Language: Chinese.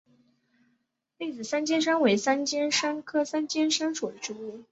篦子三尖杉为三尖杉科三尖杉属的植物。